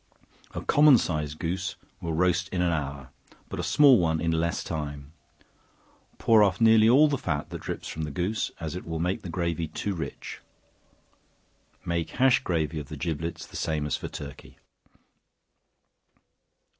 A common sized goose will roast in an hour, and a small one in less time; pour off nearly all the fat that drips from the goose, as it will make the gravy too rich. Make hash gravy of the giblets the same as for turkey.